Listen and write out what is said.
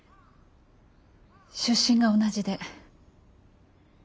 出身が同じで。